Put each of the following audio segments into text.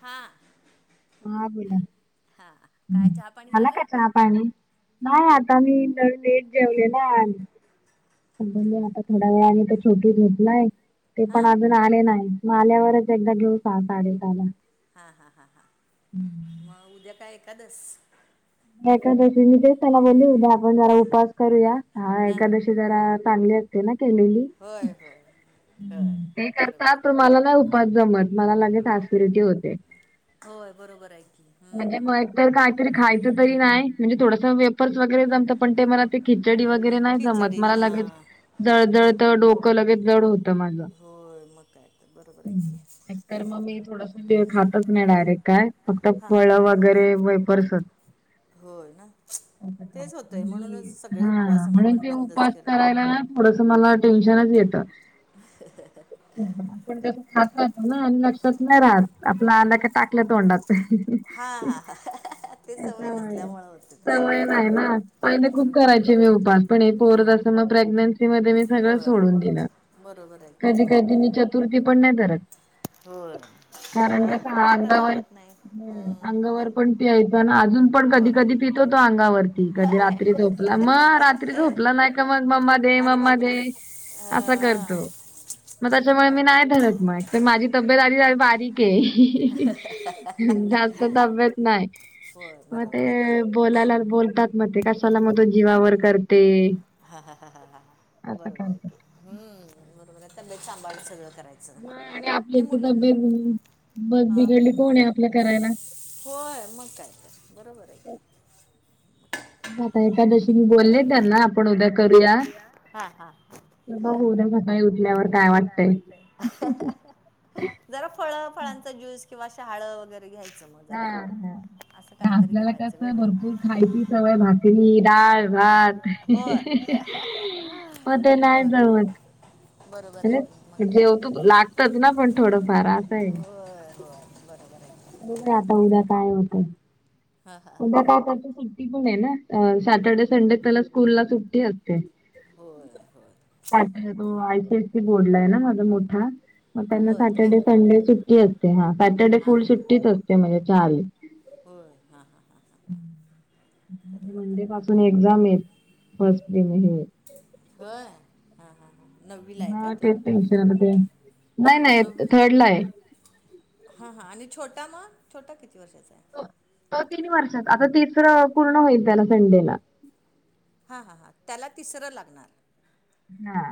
हा. हा बोला, चहा पाणी झाला का झालं चहा? पाणी, नाही आता मी लेट जेवले ना मी म्हणले आता थोड्या वेळाने तर छोटू झोपलाय. ते पण हां अजून आले नाहीत. मग आल्यावरच एकदा घेऊ सहा, साडेसला. हा-हा-हा-हा, मग उद्या काय एकादस? एकादशी, मी तेच त्याला बोलले उद्या आपण जरा उपवास करूया. हा हां एकादशी ती जरा चांगली असते ना केलेली? होय होय होय ते बरोबर करतात. तर आहे मला नाही उपास जमत. मला लगेच ऑसीडीटी होते. होय बरोबर आहे की म्हणजे हम्म. मग काहीतरी खाय तरी नाही. म्हणजे थोडस वेपर्स वगैरे जमतं, पण ते मला ते खिचडी वगैरे नाही जमत, खिचडी मला लगेलच हां हो जळजळत, डोकं लगेच जड होत. होय, मग काय तर बरोबर आहे की. एक तर मग मी थोडस वेळ खातच नाही डायरेक्ट काय, फक्त हां फळ वगैरे वेपरसच होय ना. तेच होतंय म्हणूनच सगळे उपवास हा आम्ही म्हणून पण ते बंदच उपास केलं करायला. थोडस मला टेन्शनच येतं. ह ह ह ह ह... आपण त्यासं खाततो ना आणि लक्षात नाही राहत. आपला आल्यावर की टाकलं तोंडात. हां हां हां ते सवय याचा नसल्यामुळं होते तसं सवय नाही ना पहिले खूप बरोबर करायचे मी उपास. पण हो पोरदस अस मग प्रेग्नेन्सी मध्ये मी सगळं होय सोडून दिलं. बरोबर आहेकी कधी मग. मी काय चतुर्थी पण नाही धरत. होय कारण कस नाही मी हा पण आता अंगावर जमत नाही हम्म, अंगावर म्हणून पण पियचं. अजून पण हो कधी कधी पितो तो अंगावरती कधी रात्री झोपला मग. झोपला नाही का मग मम्मा दे मम्मा दे. असा करतो. [unintelligible] मग त्याच्यामुळे काय मी कर नाही धरत मग. माझी तब्येत आधीच बारीक आहे जास्त तब्येत नाही. होय मग ते बरोबर आहे की हां बोलायला बोलतात मग ते कसाला मग तो जीवावर करते. हा हा हा हा हा असं बरोबर आहेे करतात. की बरोबरे तब्येत सांबाळ सगळं करायचं. आणि आपली एक तर तब्येत बस हां बिघडली कोण आहे आपल्या करायला. होय मग काय तर बरोबर आहे की. मता एतादशी मी बोलले. कर आपण करूया हा हा. तर बघू उद्या सकाळी उठल्यावर उटल्यावर काय वाटतंय. वाटतय. जरा फळ फळांचा ज्यूस किंवा शहााळ वगैरे घ्यायचं. मग जरा असं काहीतरी आपल्याला कस करायचं आहे भरपूर वेगळं खायची सवय भाकरी डाळ. भात होय मग ते नाही होय जमत. बरोबर आहे की मग जेवतू लागतच ना पण थोडंफार असं आहे. होय होय बरोबर आहे. हो आता उद्या काय होतं. हा हा. सुट्टी पण आहे ना सॅटर्डे संडे त्याला स्कूल ला सुट्टी असते. होय होय. तो आय सीआयसी बोर्डला आहे ना माझा मोठा. मग त्यांना होय का सॅटर्डे संडे सुट्टी असते. हा सॅटरडे हां फुल हां सुट्टीच असते म्हणजे चार. होय हा हा हा हा. मंडे पासून एक्झाम येत फस्ट हे. होय हा ह ह नवी ला आहे का हा तो तेच टेन्शन आता ते नाही नववी. थर्ड नाही. हा हा आणि छोटा मग छोटा किती वर्षाचा आहे. तीन वर्षात आता त तीन पूर्ण होईल त्याला संडेला. हा हा हां त्याला तिसरं लागणार. हा.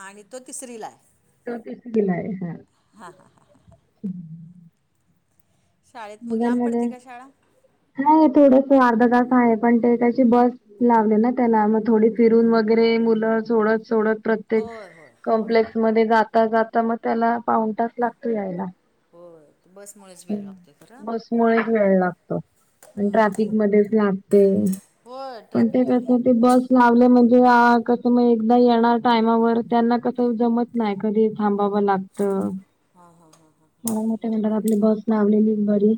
आणि तो तिसरी ला आहे. [unintelligible] हा हा शाळेत मग लांब पडते का शाळा. हाय थोडंस आर्ध तास आहे पण ते त्याची बस लावले ना त्यांला मग थोडी फिरून वगैरे मुलं सोडत सोडत प्र त्येक होय होय होय कॉम्प्लेक्स मध्ये जाता जाता म त्याला पावून तास लागतो यायला. होय ते बसमुळेच वेळ लागतोय खर बसमुळेच बरोबर वेळ आहे. लागतो आणि ट्रॅफिक मध्येच लागते होय पण ते ट्रॅफिक कस आणि ते बस लावल म्हणजे आ कस म एकदा येणार टायमावर त्यांना कसं जमत नाही कधी थांबावं लाग हां हां हां हां हां हां, बरोबर आहे. बस लावलेलीच बरी.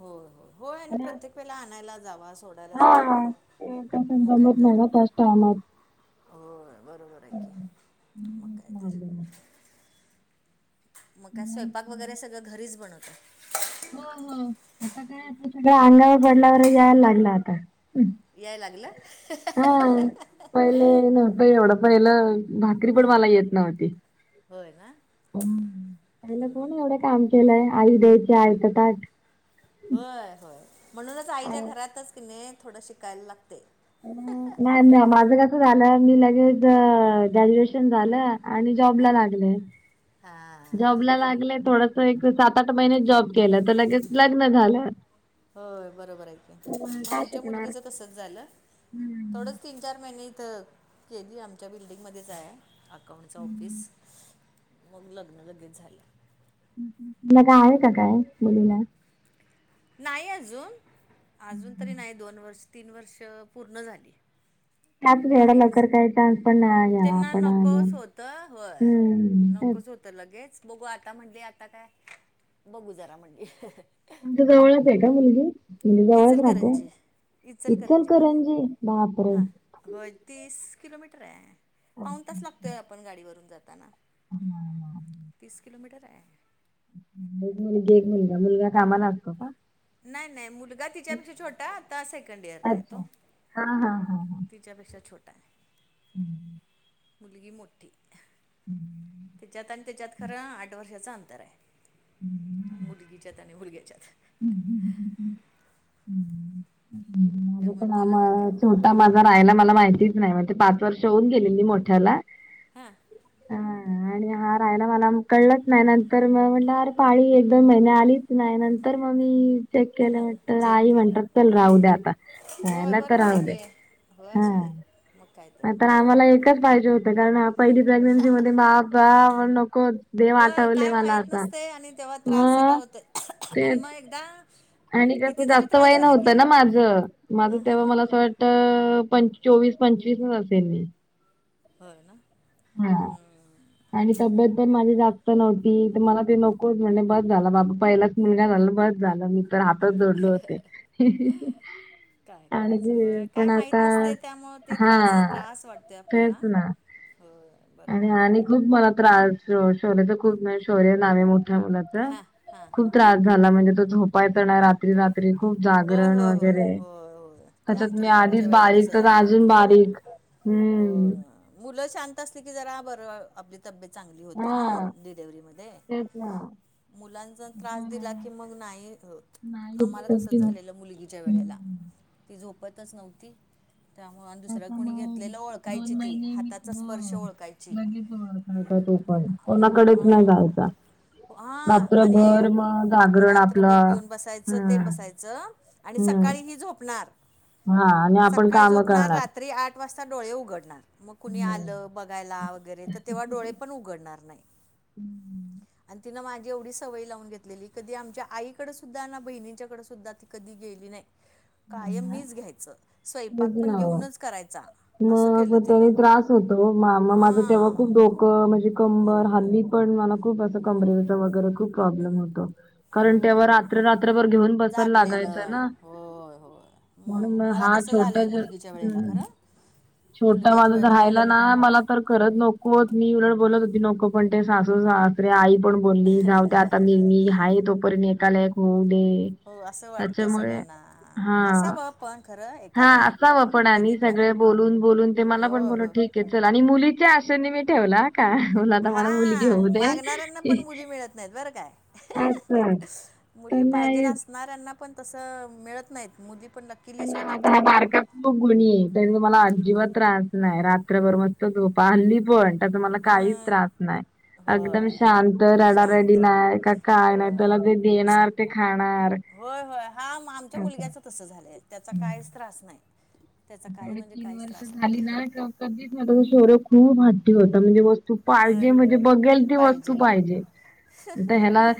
होय होय होय आणि प्रत्येक वेळेला आणायला जावा, सो हा ते कसं जमत तर नाही ना त्याचं टायमात. होय बरोबर आहे की मग काय तर [unintelligible] मग काय स्वयंपाक वगैरे सगळं घरीच बनवताय? हो हो आता काय आता सगळ अंगावर पडल्यावर याय लागला आता हू. याय लागलं. हा पहिले नव्हतं एवढं पहिलं भाकरी पण मला येत नव्हती. होय ना केलय आई दयाची आयत ताट. होय होय म्हणूनच आईच्या घरातच कणी थोड शिकाय लागते. नाही नाही माझं कस झालं मी लगेच ग्रॅज्युएशन झालं, आणि जॉबला लागले, जॉबला लागले थोड, सं एक सात आठ महिने जॉब केलं तर लगेच लग्न झालं. होय बरोबर आहे की मग म काय आमच्या शिकणार? मुलगीचं तसचं झालं, थोडच तीन चार महिने इथ केली आमच्या बिल्डिंगमध्येच आहे अकाउंटच ऑफिस मग लग्न लगेच झालं. [unintelligible] काय मुलीला नाही आजून आजून तरी नाही दोन वर्ष तीन वर्ष पूर्ण झाली. त्याच वेळेला नाहीच लवकर काही चान्स पण नाही घ्यावा तेना आपण आला. नकोच होतं व्हय हम्म तेच. नकोच हो त लगेच बघू आता म्हणली आता काय बघू जरा म्हणली. म्हणजे जवळच आहे का मुलगी? म्हणजे जवळच राहते इचलकरंजी इचलकरंजीमध्ये इचलकरंजी, बापरे!. हां होय तीस किलोमीटर आहे अच्छा, पावून तास लागतोय आपण गाडीवरून जाताना. तीस किलोमीटर आहे. म्हणजे एक मुलगी एक मुलगा मुलगा कामाला आसतो का? नाही नाही मुलगा तिच्यापेक्षा छोटा आता सेकंड इयरला आहे अच्छा तो. हा हा हा, तिच्यापेक्षा छोटा आहे. हू मुलगी मोठी. हू, तीच्यात आणि त्याच्यात खरं आठ वर्षाचं अंतर आहे. हू, मुलगीच्यात आणि मुलग्याच्यात. हू हू हू हू हू हू, हू हू, माझं त्यामुळे पण तो लहान आ आहे छोटा माझा राहायला मला माहितीच नाही म तो पाच वर्ष होऊन गेलेली मोठ्याला, हा. ह आणि हा राहायला मला कळलंच नाही नंतर म म्हणलंनार. पाळी एक दोन महिने आलीच नाही नंतर मग मी चेक केलं म्हटल चेक आई केलं म्हणतात चल राहू द्या आता. होय राहीला तर बरोबर आहे राहु द्या की हो असू दे मग काय तर नाहीतर बरोबर आम्हाला आहे एक पाहिजे होत कारण पहिली प्रेग्नेन्सी मध्ये बाबा म्हणून नको होत. होय काय माहीत नसतय आणि तेव्हा त्रास सगळा मग होतय आणि तेच मग एकदा आणि कस कितीतरी जास्त त्रास वय झाला की नव्हतं ना माझं माझं हां हां तेव्हा हां मला असं वाटत तर पं चोवीस पंचवीस असेल मी होय ना हां हम्म. आणि तब्येत पण माझी जास्त नव्हती तर मला ते नकोच म्हणे बस झालं बाबा पहिलाच मुलगा झाला बस झालं मी मी तर हातच जोडले होते. [unintelligible] काय आणि करायचं ते होय काय पण माहित आता नसत य त्यामुंळ ते त्रास हां, त्रास वाटतय तेच आपल्याला. ना. होय बरोबर. आणि आहे हयानी की खूप मला त्रास शौर्यच खूप शौर्य नावे मोठ्या मुलाच. हां हां खूप हां त्रास झाला म्हणजे तो झोपायचा नाही रा रात्री रात्री खूप होय जागरण होय होय वगैरे होय होय ते त्याच्यात आमच्या मी मुलगीच्या आधीच वेळेला बारीक तसं तर झालं अजून होतं मला बारीक हो हम्म. मुलं शांत असली की जरा बर आपली तब्येत चांगली होते ना हां, डिलिव्हरीमध्ये. तेच ना. मुलांचा त्रास हां, दिला की मग नाही होत आम्हाला नाहीच झालेल मुलगीच्या वेळेला हम्म. ती झोपतच नव्हती. त्यामुळ अन दुसऱ्या आता कोणी मग घेतलेला दोन ओळखायची ती महिने मी हाताचा स्पर्श ओळखायची? नाही का तू पण कोणाकडेच नाही हां जायचा? हां आणि रात्रभर मग जागरण रात्रभर आपलं घेऊन बसायचं हम्म ते बसायचं आणि सकाळी ही हम्म झोपणार? हा आणि आ सकाळी झोपणार रात्री आठ वाजता डोळे उघडणार मग कुणी हम्म. आलं? बघायला वगैरे तर तेव्हा डोळे डोळे पण उघडणार नाही. [unintelligible] आणि तीनं माझी एवढी सवय लावून घेतलेली कधी आमच्या आईकडे सुद्धा ना बहिणींच्याकडे सुद्धा ती कधी गेली नाही. [unintelligible] कायम ना. मीच घ्यायचं? स्वयंपाक तेच ना पण हो. घेऊनच करायचा असं केलं तिनं. होत मा माझ तेव्हा खूप हां डोकं म्हणजे कंबर होय हल्ली पण मला खूप अस हो कंबरेचा वगैरे खूप प्रॉब्लेम होतो. कारण मग तेव्हा रात्र रात्रभर घेऊन बसायला लागायचं जागलेलं ना. होय होय म्हणून मग मला हा तसं छोटा झालय ज मुलगीच्या वेळेला हम्म. खरं छोटा मुलग्याच्या माझा तर वेळेला काय राहायला नाही. ना मला तर करत नको मी उलट बोलत होती नको पण ते सासू सासरे आई पण बोलली जावू दे! आता म मी आहे तोपर्यंत एकाला एक होऊदे. हो असं वाटते सगळ्यांना हा आआ. हा असाव पण कधी आणि पण सगळे बोलून बोलून ते मला हो पण बोले हो ठीक आ की चल आणि मुलीच्या आशेने मी ठेवलाय. काय मला आता हा मला मुलगी होऊ दे मागणाऱ्यांना पण मुली मिळत नाहीत बरं काय अच्छा. मुली पाहिजेल असणाऱ्यांना पण तसं मिळत नाहीत मुली पण लकीलीच पण होतात आता हा बारक. खूप गुणी आहे त्याने मला अजिबात त्रास नाही रात्रभर मस्त झोपा हानली पण अग मला काहीच मग त्रास नाही अगदम होय शांत रडारडी शांत नाही का काय नाही होय त्याला जे देणार ते खाणार होय होय हा म आमच्या असं आहे. मुलग्याच तसं झालंय त्याचा काहीच त्रास नाही त्याचा काही आणि म्हणजे तीन काहीच वर्ष त्रास झाली नाही ना का कधीच नाही शौर्य खूप हट्ठी होता म्हणजे मस्त तो हं, पाहिजे म्हणजे बघेल ती वस्तू पाहिजे आता ह्याला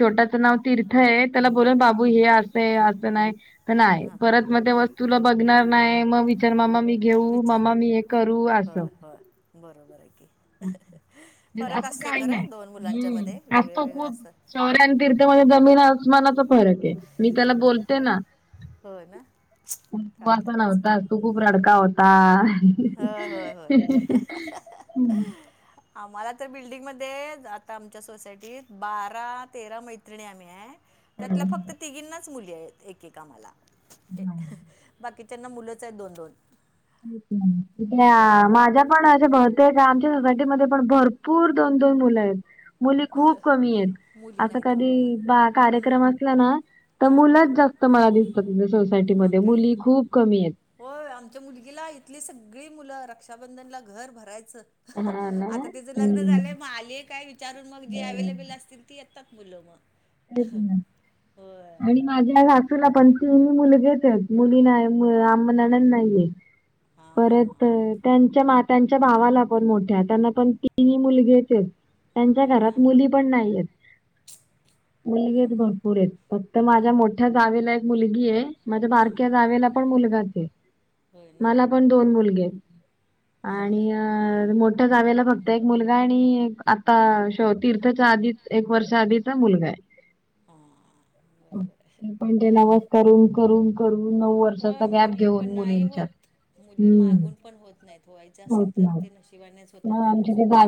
छोट्याचं नाव तीर्थ आहे त्याला बोल्ल ना बाबू हे असंय असं नाही तर नाही हां परत मग त्या वस्तूला बघणार नाही मग विचारणार मम्मी मी घेऊ विचार मम्मा मी हे करू असं होय होय बरोबर आहे की हह फरक असं असतोय काही नाही खरं दोन मुलांच्यामध्ये हम्म वेगळं असतो वेगळं खूप असतात. शौर्य आणि तीर्थ मध्ये जमीन आसमानाचा फरक आहे मी त्याला बोलते ना होय ना पण तू काय असा करायचं नव्हतास तू खूप रडका होता होय होय होय हीहीही हम्म आम्हाला तर बिल्डिंगमध्ये आता आमच्या सोसायटीत बारा तेरा मैत्रिणी आम्ही हाय त्यातल्या फक्त तिघींनाच मुली आहेत एकेक आम्हाला. बाकीच्यांना मुलंच आहेत दोन दोन होय [unintelligible] माझ्यात पण आता बघते का आमच्या सोसायटी मध्ये पण भरपूर दोन दोन मुलं आहेत. मुली खूप कमी आहेत मुली असं नाहीत कधी होय बा कार्यक्रम असला ना तर हां मुलंच जास्त मला दिसतात मग सोसायटीमध्ये काय मुली तर खूप कमी आहेत. होय आमच्या मुलगीला इथली सगळी मुलं रक्षाबंधनला घर भरायचं. हा ना आता तिचं लग्न हम्म. झालंय मग आलीये काय विचारून मग जे हम्म. अवेलेबल असतील ती येतात मुलं मग होय आणि मग माझ्या काय सासूला पण तीन मुलगेच येत मुली नाही आम्हाला ननंद नाहीये हां परत त्यांच्या मा त्यांच्या भावाला पण मोठ्या त्यांना पण तीनी मुलगेच येते त्यांच्या होय घरात ना मुली पण नाहीयेत मुलगेच हं भरपूर आहेत फक्त माझ्या मोठ् मोठ्या जावेला एक मुलगीये माझ्या हां बारक्या जावेला पण मुलगाचये होय ना मला पण दोन मुलगे येत आणि अ मोठ्या जावेला फक्त एक मुलगा आणि एक आता शौ तीर्थाच्या आधीच एक वर्षा आधीचा मुलगा आहे हा. पण ते नवस करून करून करू नऊ होय वर्षाचा गॅप मुली घेऊन पण नाही मुलींच्यात होत मुली हम मागून पण होत नाहीत व्हायचं असेल तर नशिबानेच होतात मुली सुद्धा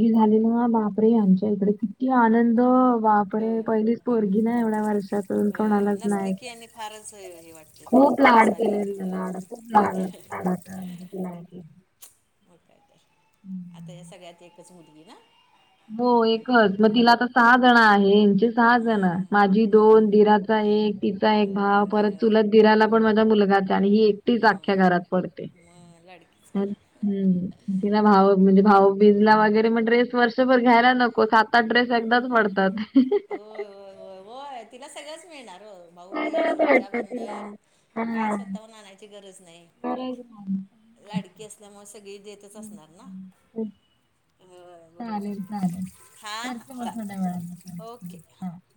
ही झाली म्हणून बापरे आमच्या इकडे किती आनंद बापरे होय पहिलीच होय पोरगी ना एवढा वर्षातून होय कोणालाच नसली नाही की आणि फारच हे वाटते नाही खूप लाड असावी केलेले [inaudible] मग काय तर. हम्म. आता या सगळ्यात एकच मुलगी ना. हो एकच मग तिला आता सहा जण आहे यांचे सहा जण हां माझी दोन मग दिराचा एक तिचा एक भाव परत होय चुलत दिराला पण माझा मुलगाच हाय आणि ही एक तीच अख्या मग घरात पडते. मग लाडकीच की हम ति ना भाऊ म्हणजे भाऊ बीजाला वगैरे ड्रेस वर्षा वर्षभर घ्यायला नको सात आठ ड्रेस एकदाच पडतात. होय होय होय तिला सगळंच मिळणार हो भाऊबीज खराब वाटतं तिला रक्षाबंधन. काय हा स्वतःहून आणायची गरज नाही. बरं आहे की नाही लाडकी असल्यामुळे सगळी देतच असणार ना. होय बरोबर आहे चालेल चालेल की हा हा करते मग थोड्या चालेल वेळाने ओके हा.